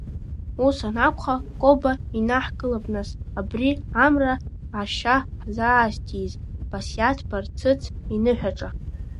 Ус анакәха, Коба, инаҳкылап, нас, абри амра ашьа ҳзаазҭииз Басиаҭ Барцыц иныҳәаҿа!